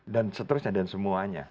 dan seterusnya dan semuanya